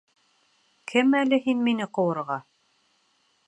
Кем әле һин мине ҡыуырға?